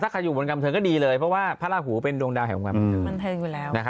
ถ้าใครอยู่บนการบันเทิงก็ดีเลยเพราะว่าพระลาภูเป็นดวงดาวแห่งบันเทิง